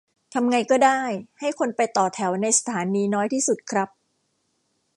ทำไงก็ได้ให้คนไปต่อแถวในสถานีน้อยที่สุดครับ